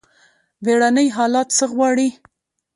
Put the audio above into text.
بیړني حالات څه غواړي؟